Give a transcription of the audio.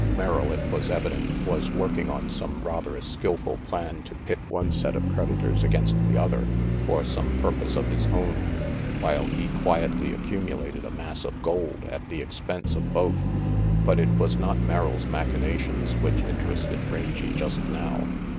Merrill, it was evident, was working on some rather skilful plan to pit one set of creditors against the other, for some purpose of his own, while he quietly accumulated a mass of gold at the expense of both; but it was not Merrill's machinations which interested Rangy just now.